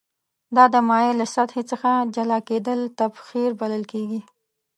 دا د مایع له سطحې څخه جلا کیدل تبخیر بلل کیږي.